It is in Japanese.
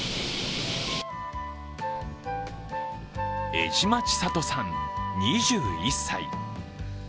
江島千智さん、２１歳。